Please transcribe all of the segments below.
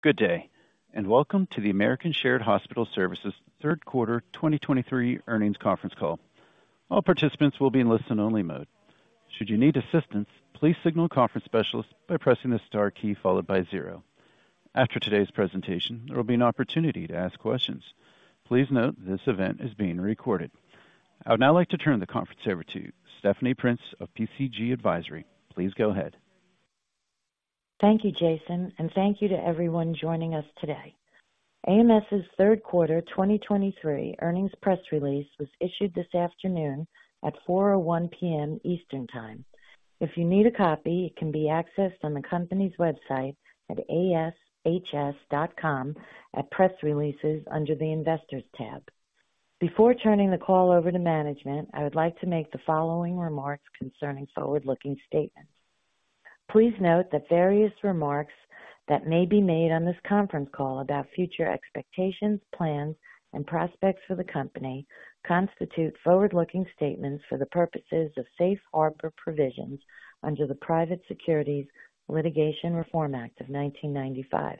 Good day, and welcome to the American Shared Hospital Services Third Quarter 2023 earnings conference call. All participants will be in listen-only mode. Should you need assistance, please signal a conference specialist by pressing the star key followed by zero. After today's presentation, there will be an opportunity to ask questions. Please note, this event is being recorded. I would now like to turn the conference over to Stephanie Prince of PCG Advisory. Please go ahead. Thank you, Jason, and thank you to everyone joining us today. AMS's third quarter 2023 earnings press release was issued this afternoon at 4:01 P.M. Eastern Time. If you need a copy, it can be accessed on the company's website at ashs.com at Press Releases under the Investors tab. Before turning the call over to management, I would like to make the following remarks concerning forward-looking statements. Please note that various remarks that may be made on this conference call about future expectations, plans, and prospects for the company constitute forward-looking statements for the purposes of safe harbor provisions under the Private Securities Litigation Reform Act of 1995.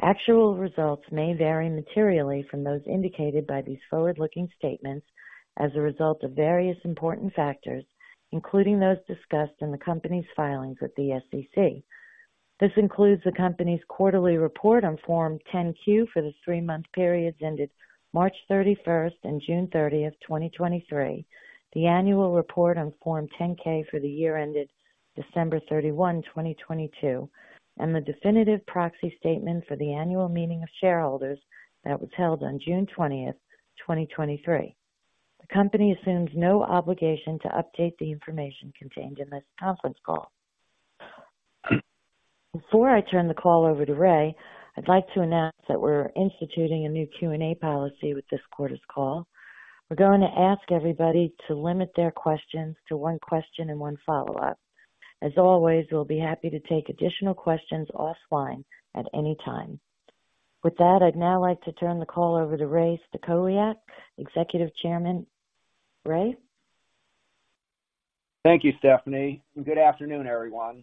Actual results may vary materially from those indicated by these forward-looking statements as a result of various important factors, including those discussed in the company's filings with the SEC. This includes the company's quarterly report on Form 10-Q for the three-month periods ended March 31st and June 30th, 2023, the annual report on Form 10-K for the year ended December 31, 2022, and the definitive proxy statement for the annual meeting of shareholders that was held on June 20th, 2023. The company assumes no obligation to update the information contained in this conference call. Before I turn the call over to Ray, I'd like to announce that we're instituting a new Q&A policy with this quarter's call. We're going to ask everybody to limit their questions to one question and one follow-up. As always, we'll be happy to take additional questions offline at any time. With that, I'd now like to turn the call over to Ray Stachowiak, Executive Chairman. Ray? Thank you, Stephanie, and good afternoon, everyone.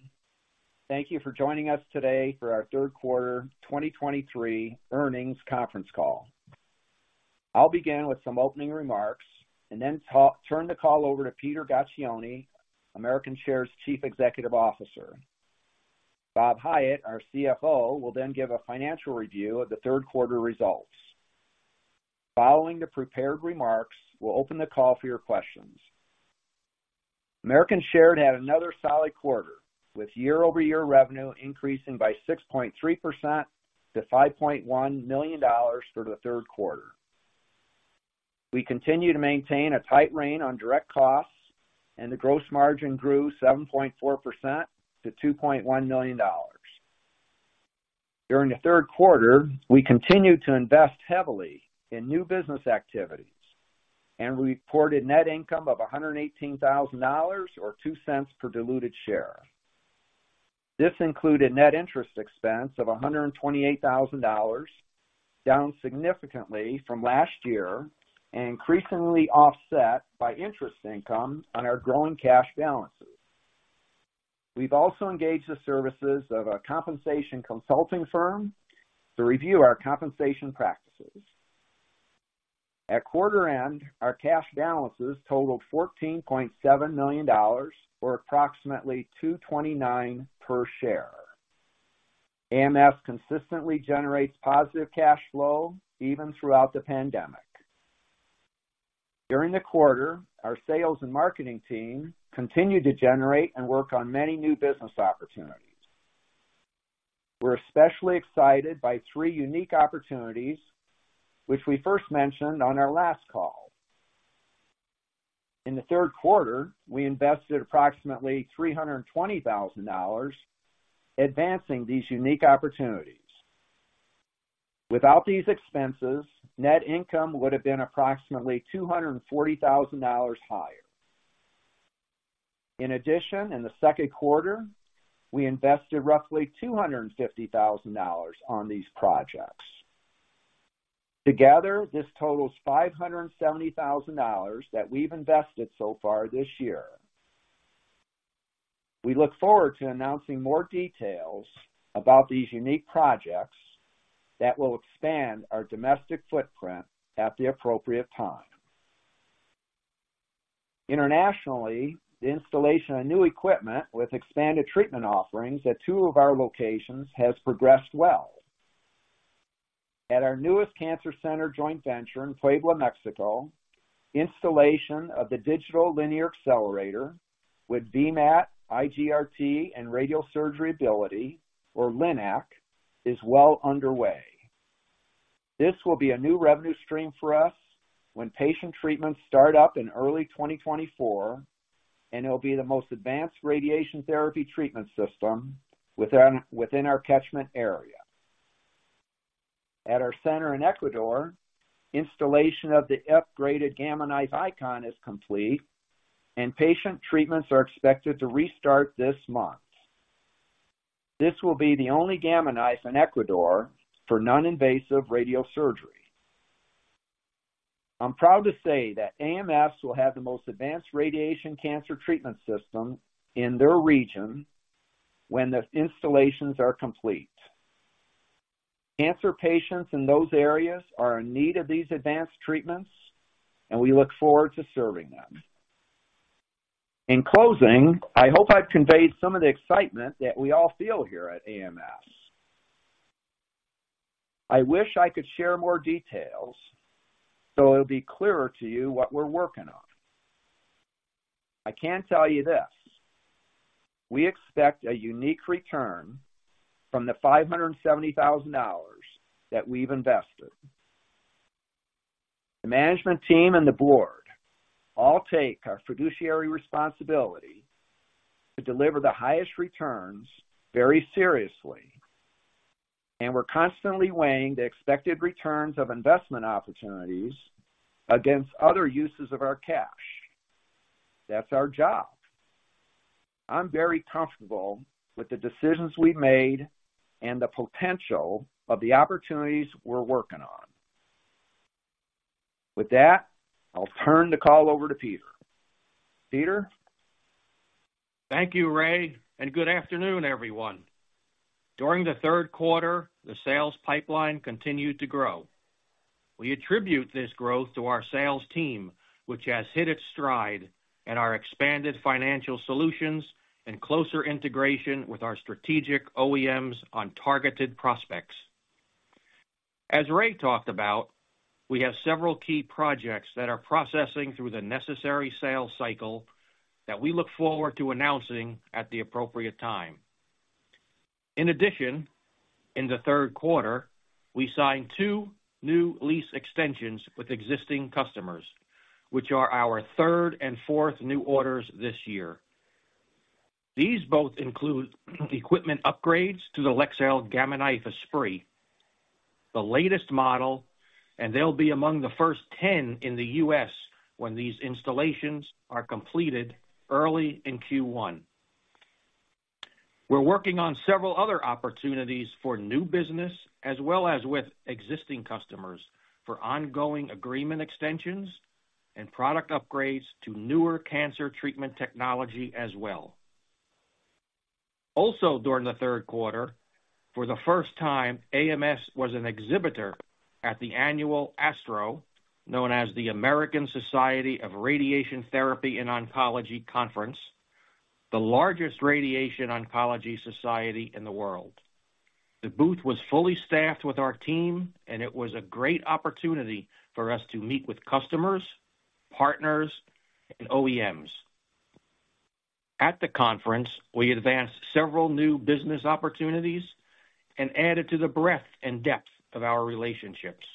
Thank you for joining us today for our third quarter 2023 earnings conference call. I'll begin with some opening remarks and then turn the call over to Peter Gaccione, American Shared's Chief Executive Officer. Bob Hiatt, our CFO, will then give a financial review of the third quarter results. Following the prepared remarks, we'll open the call for your questions. American Shared had another solid quarter, with YoY revenue increasing by 6.3% to $5.1 million for the third quarter. We continue to maintain a tight rein on direct costs, and the gross margin grew 7.4% to $2.1 million. During the third quarter, we continued to invest heavily in new business activities and reported net income of $118,000, or $0.02 per diluted share. This included net interest expense of $128,000, down significantly from last year, and increasingly offset by interest income on our growing cash balances. We've also engaged the services of a compensation consulting firm to review our compensation practices. At quarter end, our cash balances totaled $14.7 million, or approximately 2.29 per share. AMS consistently generates positive cash flow even throughout the pandemic. During the quarter, our sales and marketing team continued to generate and work on many new business opportunities. We're especially excited by three unique opportunities, which we first mentioned on our last call. In the third quarter, we invested approximately $320,000 advancing these unique opportunities. Without these expenses, net income would have been approximately $240,000 higher. In addition, in the second quarter, we invested roughly $250,000 on these projects. Together, this totals $570,000 that we've invested so far this year. We look forward to announcing more details about these unique projects that will expand our domestic footprint at the appropriate time. Internationally, the installation of new equipment with expanded treatment offerings at two of our locations has progressed well. At our newest cancer center joint venture in Puebla, Mexico, installation of the digital linear accelerator with VMAT, IGRT, and radiosurgery ability, or LINAC, is well underway. This will be a new revenue stream for us when patient treatments start up in early 2024, and it'll be the most advanced radiation therapy treatment system within our catchment area. At our center in Ecuador, installation of the upgraded Gamma Knife Icon is complete, and patient treatments are expected to restart this month. This will be the only Gamma Knife in Ecuador for non-invasive radiosurgery. I'm proud to say that AMS will have the most advanced radiation cancer treatment system in their region when the installations are complete. Cancer patients in those areas are in need of these advanced treatments, and we look forward to serving them. In closing, I hope I've conveyed some of the excitement that we all feel here at AMS. I wish I could share more details so it'll be clearer to you what we're working on. I can tell you this: we expect a unique return from the $570,000 that we've invested. The management team and the board all take our fiduciary responsibility to deliver the highest returns very seriously, and we're constantly weighing the expected returns of investment opportunities against other uses of our cash. That's our job. I'm very comfortable with the decisions we've made and the potential of the opportunities we're working on. With that, I'll turn the call over to Peter. Peter? Thank you, Ray, and good afternoon, everyone. During the third quarter, the sales pipeline continued to grow. We attribute this growth to our sales team, which has hit its stride and our expanded financial solutions and closer integration with our strategic OEMs on targeted prospects. As Ray talked about, we have several key projects that are processing through the necessary sales cycle that we look forward to announcing at the appropriate time. In addition, in the third quarter, we signed two new lease extensions with existing customers, which are our third and fourth new orders this year. These both include equipment upgrades to the Leksell Gamma Knife Esprit, the latest model, and they'll be among the first 10 in the U.S. when these installations are completed early in Q1. We're working on several other opportunities for new business, as well as with existing customers, for ongoing agreement extensions and product upgrades to newer cancer treatment technology as well. Also, during the third quarter, for the first time, AMS was an exhibitor at the annual ASTRO, known as the American Society for Radiation Oncology Conference, the largest radiation oncology society in the world. The booth was fully staffed with our team, and it was a great opportunity for us to meet with customers, partners, and OEMs. At the conference, we advanced several new business opportunities and added to the breadth and depth of our relationships.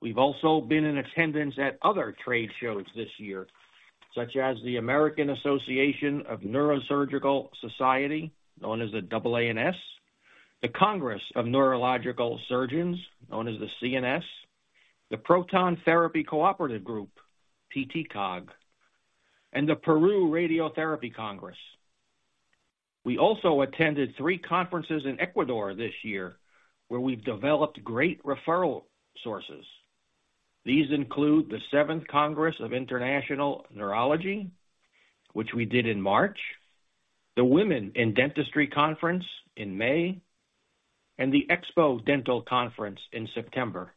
We've also been in attendance at other trade shows this year, such as the American Association of Neurological Surgeons, known as the AANS, the Congress of Neurological Surgeons, known as the CNS, the Proton Therapy Co-Operative Group, PTCOG, and the Peru Radiotherapy Congress. We also attended three conferences in Ecuador this year, where we've developed great referral sources. These include the Seventh Congress of International Neurology, which we did in March, the Women in Dentistry Conference in May, and the Expodental Conference in September.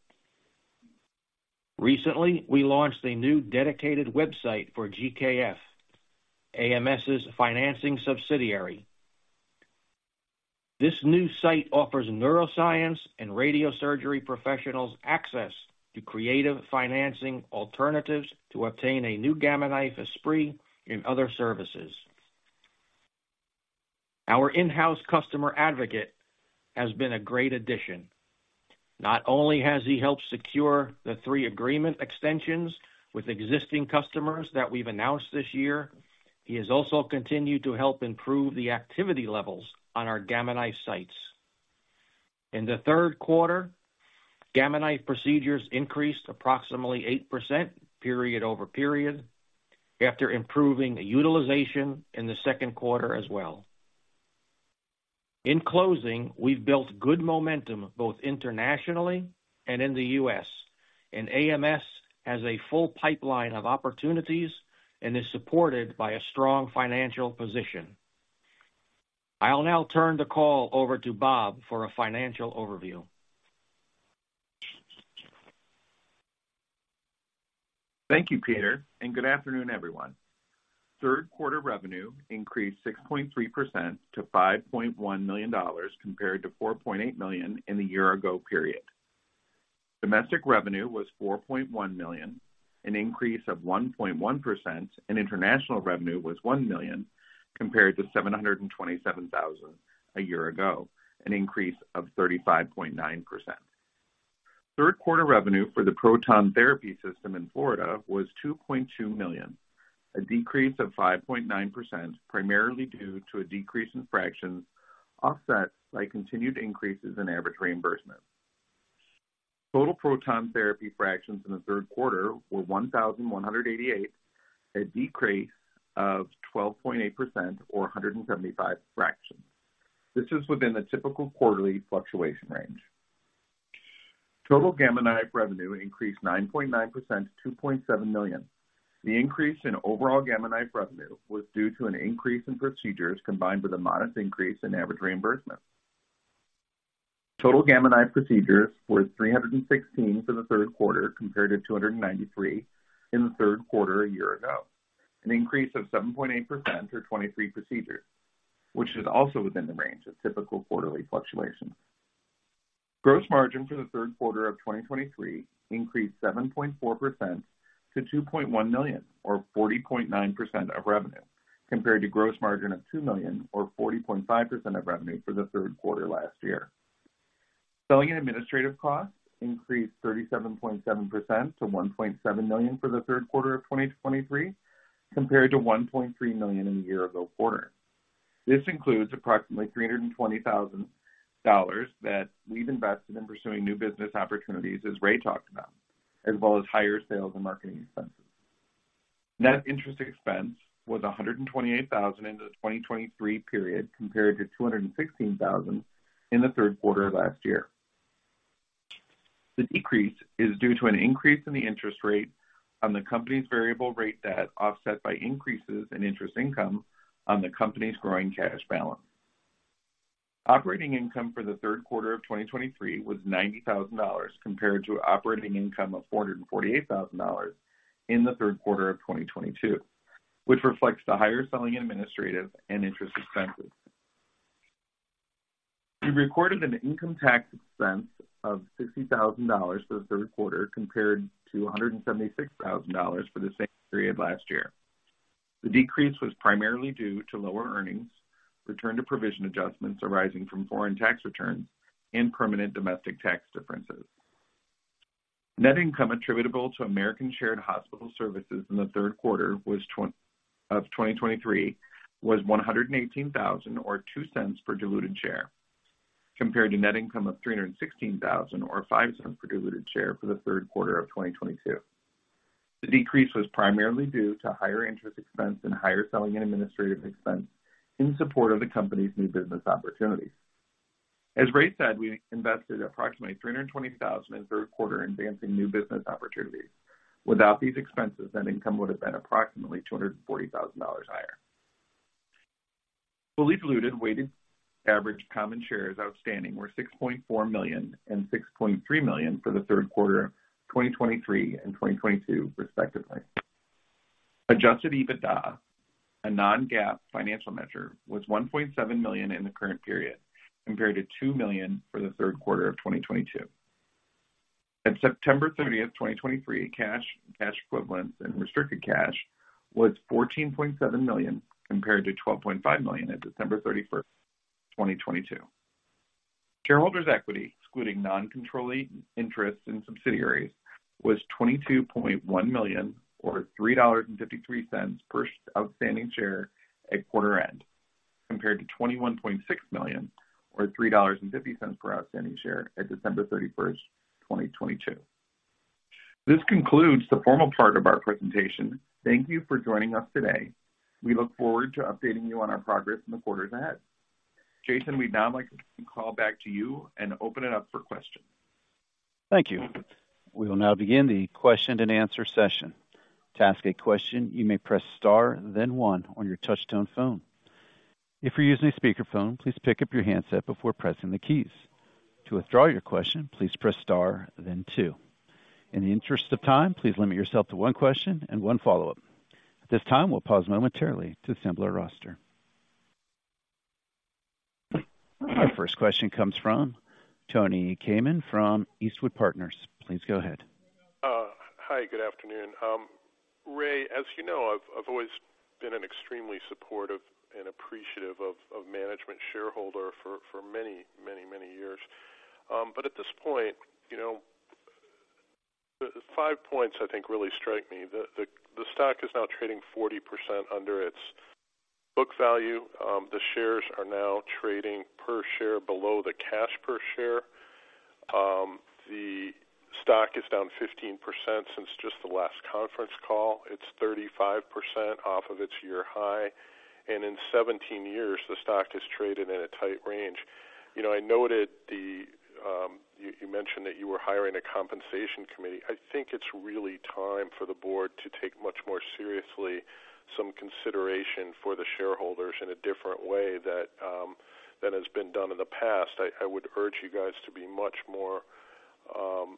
Recently, we launched a new dedicated website for GKF, AMS's financing subsidiary. This new site offers neuroscience and radiosurgery professionals access to creative financing alternatives to obtain a new Gamma Knife Esprit and other services. Our in-house customer advocate has been a great addition. Not only has he helped secure the three agreement extensions with existing customers that we've announced this year, he has also continued to help improve the activity levels on our Gamma Knife sites. In the third quarter, Gamma Knife procedures increased approximately 8% period over period, after improving the utilization in the second quarter as well. In closing, we've built good momentum both internationally and in the U.S., and AMS has a full pipeline of opportunities and is supported by a strong financial position. I'll now turn the call over to Bob for a financial overview. Thank you, Peter, and good afternoon, everyone. Third quarter revenue increased 6.3% to $5.1 million, compared to $4.8 million in the year-ago period. Domestic revenue was $4.1 million, an increase of 1.1%, and international revenue was $1 million, compared to $727,000 a year ago, an increase of 35.9%. Third quarter revenue for the proton therapy system in Florida was $2.2 million, a decrease of 5.9%, primarily due to a decrease in fractions, offset by continued increases in average reimbursement. Total proton therapy fractions in the third quarter were 1,188, a decrease of 12.8% or 175 fractions... This is within the typical quarterly fluctuation range. Total Gamma Knife revenue increased 9.9% to $2.7 million. The increase in overall Gamma Knife revenue was due to an increase in procedures, combined with a modest increase in average reimbursement. Total Gamma Knife procedures was 316 for the third quarter, compared to 293 in the third quarter a year ago, an increase of 7.8% or 23 procedures, which is also within the range of typical quarterly fluctuations. Gross margin for the third quarter of 2023 increased 7.4% to $2.1 million or 40.9% of revenue, compared to gross margin of $2 million or 40.5% of revenue for the third quarter last year. Selling and administrative costs increased 37.7% to $1.7 million for the third quarter of 2023, compared to $1.3 million in the year ago quarter. This includes approximately $320,000 that we've invested in pursuing new business opportunities, as Ray talked about, as well as higher sales and marketing expenses. Net interest expense was $128,000 in the 2023 period, compared to $216,000 in the third quarter of last year. The decrease is due to an increase in the interest rate on the company's variable rate debt, offset by increases in interest income on the company's growing cash balance. Operating income for the third quarter of 2023 was $90,000, compared to operating income of $448,000 in the third quarter of 2022, which reflects the higher selling and administrative and interest expenses. We recorded an income tax expense of $60,000 for the third quarter, compared to $176,000 for the same period last year. The decrease was primarily due to lower earnings, return to provision adjustments arising from foreign tax returns and permanent domestic tax differences. Net income attributable to American Shared Hospital Services in the third quarter of 2023 was $118,000 or $0.02 per diluted share, compared to net income of $316,000 or $0.05 per diluted share for the third quarter of 2022. The decrease was primarily due to higher interest expense and higher selling and administrative expense in support of the company's new business opportunities. As Ray said, we invested approximately $320,000 in the third quarter in advancing new business opportunities. Without these expenses, net income would have been approximately $240,000 higher. Fully diluted weighted average common shares outstanding were 6.4 million and 6.3 million for the third quarter of 2023 and 2022, respectively. Adjusted EBITDA, a non-GAAP financial measure, was $1.7 million in the current period, compared to $2 million for the third quarter of 2022. At September 30th, 2023, cash, cash equivalents, and restricted cash was $14.7 million, compared to $12.5 million at December 31st, 2022. Shareholders' equity, excluding non-controlling interests in subsidiaries, was $22.1 million, or $3.53 per outstanding share at quarter end, compared to $21.6 million or $3.50 per outstanding share at December 31, 2022. This concludes the formal part of our presentation. Thank you for joining us today. We look forward to updating you on our progress in the quarters ahead. Jason, we'd now like to call back to you and open it up for questions. Thank you. We will now begin the question and answer session. To ask a question, you may press Star, then One on your touchtone phone. If you're using a speakerphone, please pick up your handset before pressing the keys. To withdraw your question, please press Star then Two. In the interest of time, please limit yourself to one question and one follow-up. At this time, we'll pause momentarily to assemble our roster. Our first question comes from Tony Kamin from Eastwood Partners. Please go ahead. Hi, good afternoon. Ray, as you know, I've always been an extremely supportive and appreciative of management shareholder for many, many, many years. But at this point, you know, the five points I think really strike me. The stock is now trading 40% under its book value. The shares are now trading per share below the cash per share. The stock is down 15% since just the last conference call. It's 35% off of its year high, and in 17 years, the stock has traded in a tight range. You know, I noted you mentioned that you were hiring a compensation committee. I think it's really time for the board to take much more seriously some consideration for the shareholders in a different way than has been done in the past. I would urge you guys to be much more give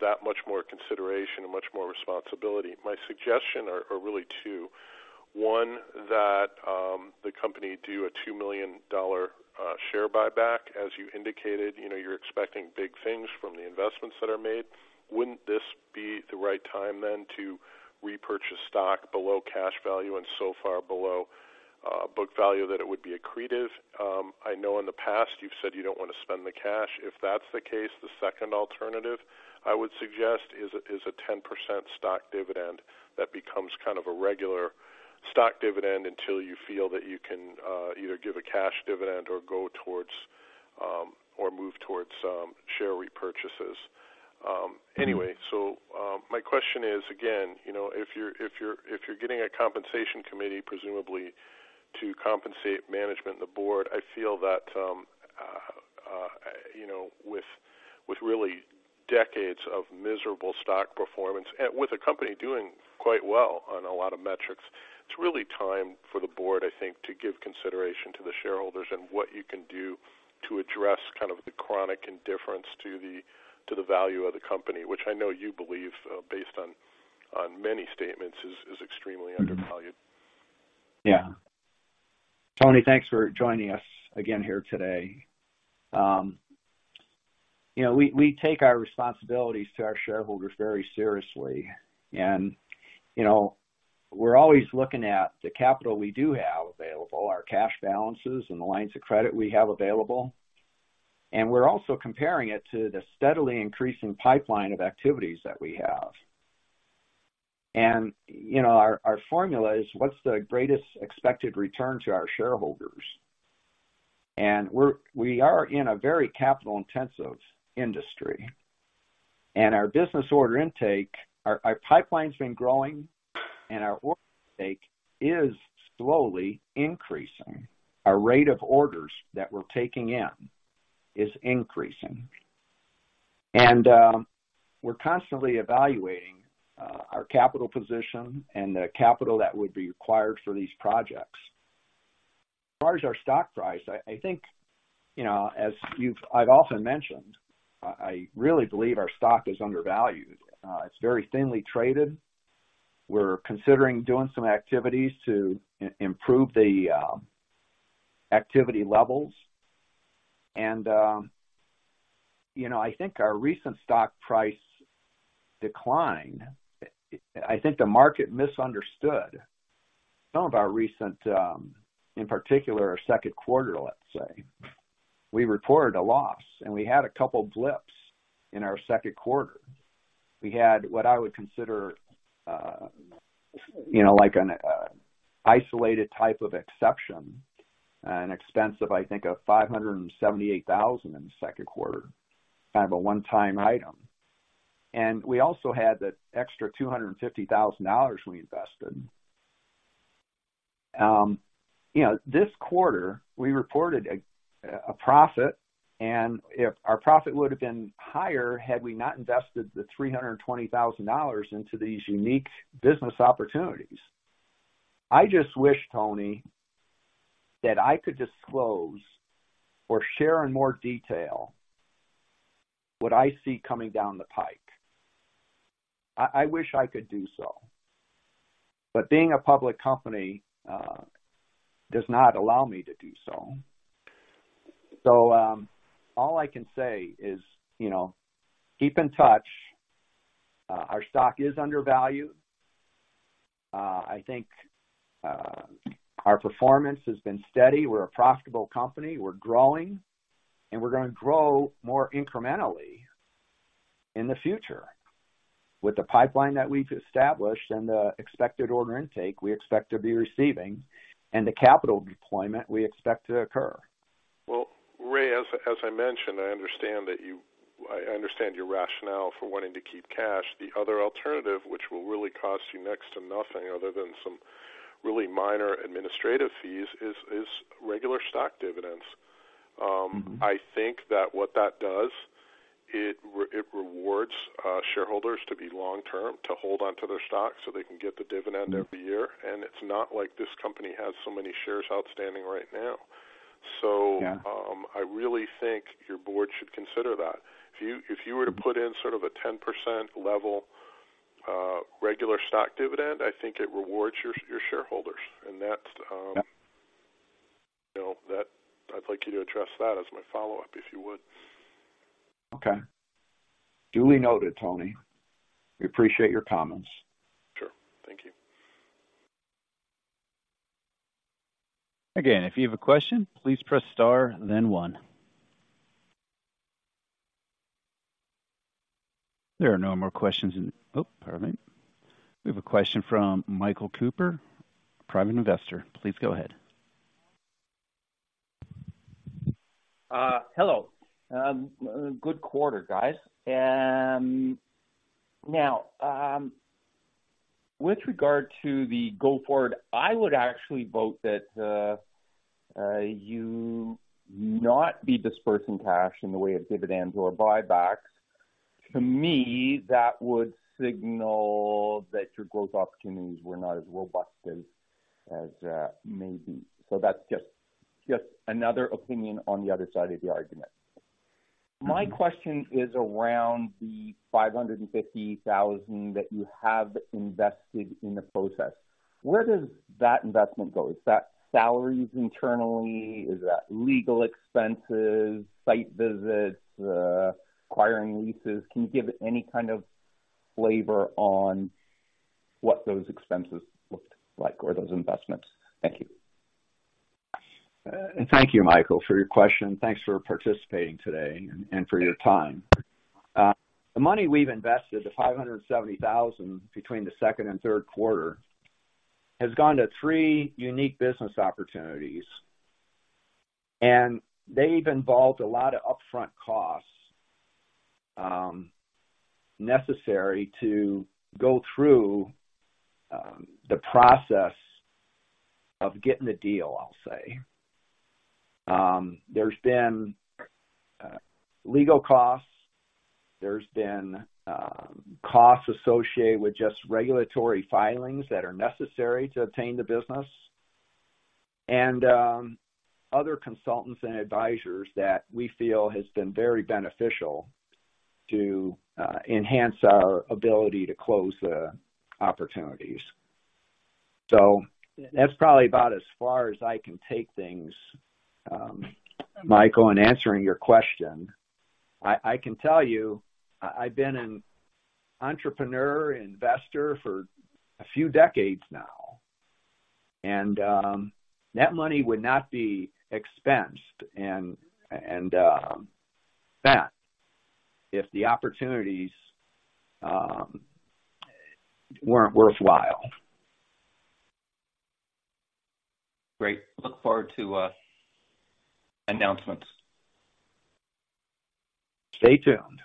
that much more consideration and much more responsibility. My suggestion are really two. One, that the company do a $2 million share buyback. As you indicated, you know, you're expecting big things from the investments that are made. Wouldn't this be the right time then to repurchase stock below cash value and so far below book value that it would be accretive? I know in the past you've said you don't want to spend the cash. If that's the case, the second alternative I would suggest is a 10% stock dividend that becomes kind of a regular stock dividend until you feel that you can either give a cash dividend or go towards or move towards share repurchases. Anyway, so, my question is, again, you know, if you're, if you're, if you're getting a compensation committee, presumably to compensate management and the board, I feel that, you know, with, with really decades of miserable stock performance and with a company doing quite well on a lot of metrics, it's really time for the board, I think, to give consideration to the shareholders and what you can do to address kind of the chronic indifference to the, to the value of the company, which I know you believe, based on, on many statements, is, is extremely undervalued. Yeah. Tony, thanks for joining us again here today. You know, we take our responsibilities to our shareholders very seriously, and, you know, we're always looking at the capital we do have available, our cash balances and the lines of credit we have available, and we're also comparing it to the steadily increasing pipeline of activities that we have. Our formula is: what's the greatest expected return to our shareholders? We're in a very capital-intensive industry, and our business order intake... Our pipeline's been growing, and our order intake is slowly increasing. Our rate of orders that we're taking in is increasing. We're constantly evaluating our capital position and the capital that would be required for these projects. As far as our stock price, I think, you know, as I've often mentioned, I really believe our stock is undervalued. It's very thinly traded. We're considering doing some activities to improve the activity levels, and, you know, I think our recent stock price decline, I think the market misunderstood some of our recent, in particular, our second quarter, let's say. We reported a loss, and we had a couple blips in our second quarter. We had what I would consider, you know, like an isolated type of exception, an expense of, I think, $578,000 in the second quarter, kind of a one-time item. And we also had the extra $250,000 we invested. You know, this quarter, we reported a profit, and if our profit would have been higher, had we not invested $320,000 into these unique business opportunities. I just wish, Tony, that I could disclose or share in more detail what I see coming down the pike. I wish I could do so, but being a public company does not allow me to do so. So, all I can say is, you know, keep in touch. Our stock is undervalued. I think our performance has been steady. We're a profitable company. We're growing, and we're gonna grow more incrementally in the future. With the pipeline that we've established and the expected order intake we expect to be receiving and the capital deployment we expect to occur. Well, Ray, as I mentioned, I understand that you... I understand your rationale for wanting to keep cash. The other alternative, which will really cost you next to nothing other than some really minor administrative fees, is regular stock dividends. Mm-hmm. I think that what that does, it rewards shareholders to be long-term, to hold on to their stocks so they can get the dividend every year. And it's not like this company has so many shares outstanding right now. Yeah. So, I really think your board should consider that. If you were to put in sort of a 10% level, regular stock dividend, I think it rewards your shareholders. And that's- Yep. You know, that I'd like you to address that as my follow-up, if you would. Okay. Duly noted, Tony. We appreciate your comments. Sure. Thank you. Again, if you have a question, please press star, then one. There are no more questions in... Oh, pardon me. We have a question from Michael Cooper, private investor. Please go ahead. Hello. Good quarter, guys. Now, with regard to the go forward, I would actually vote that you not be dispersing cash in the way of dividends or buybacks. To me, that would signal that your growth opportunities were not as robust as maybe. So that's just another opinion on the other side of the argument. Mm-hmm. My question is around the $550,000 that you have invested in the process. Where does that investment go? Is that salaries internally? Is that legal expenses, site visits, acquiring leases? Can you give any kind of flavor on what those expenses looked like or those investments? Thank you. Thank you, Michael, for your question. Thanks for participating today and for your time. The money we've invested, the $570,000 between the second and third quarter, has gone to three unique business opportunities, and they've involved a lot of upfront costs necessary to go through the process of getting the deal, I'll say. There's been legal costs. There's been costs associated with just regulatory filings that are necessary to obtain the business, and other consultants and advisors that we feel has been very beneficial to enhance our ability to close the opportunities. So that's probably about as far as I can take things, Michael, in answering your question. I can tell you, I've been an entrepreneur, investor for a few decades now, and that money would not be expensed and spent if the opportunities weren't worthwhile. Great. Look forward to announcements. Stay tuned.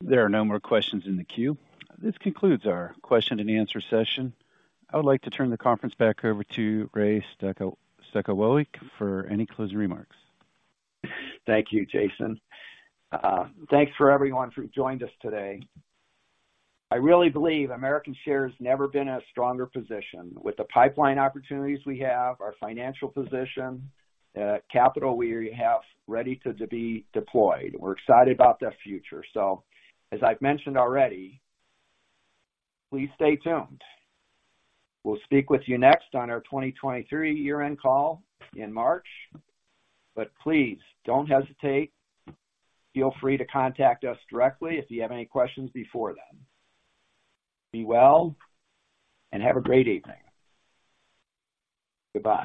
There are no more questions in the queue. This concludes our question-and-answer session. I would like to turn the conference back over to Ray Stachowiak for any closing remarks. Thank you, Jason. Thanks for everyone who joined us today. I really believe American Shared has never been in a stronger position. With the pipeline opportunities we have, our financial position, capital we have ready to, to be deployed, we're excited about the future. So as I've mentioned already, please stay tuned. We'll speak with you next on our 2023 year-end call in March, but please don't hesitate. Feel free to contact us directly if you have any questions before then. Be well, and have a great evening. Goodbye.